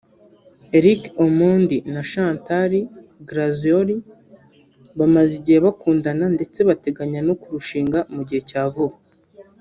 Eric Omondi na Chantal Grazioli bamaze igihe bakundana ndetse barateganya no kurushinga mu gihe cya vuba